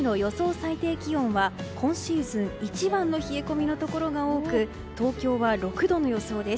最低気温は今シーズン一番の冷え込みのところが多く東京は６度の予想です。